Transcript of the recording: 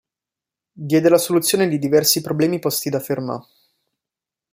Diede la soluzione di diversi problemi posti da Fermat.